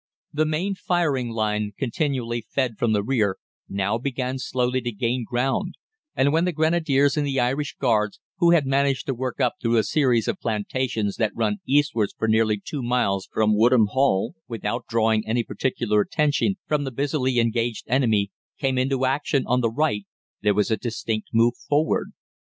"The main firing line, continually fed from the rear, now began slowly to gain ground, and when the Grenadiers and the Irish Guards, who had managed to work up through the series of plantations that run eastwards for nearly two miles from Woodham Hall without drawing any particular attention from the busily engaged enemy, came into action on the right, there was a distinct move forward.